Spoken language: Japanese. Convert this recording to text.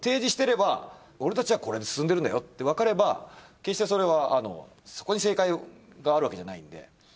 俺たちはこれで進んでるんだよってわかれば決してそれはそこに正解があるわけじゃないんで。